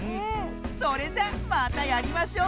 それじゃまたやりましょう！